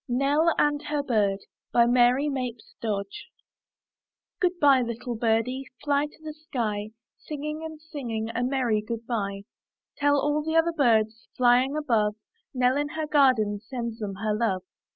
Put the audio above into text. NELL AND HER BIRD* Mary Mapes Dodge Good by, little birdie! Fly to the sky, Singing and singing A merry good by. Tell all the other birds, Flying above, Nell, in the garden. Sends them her love.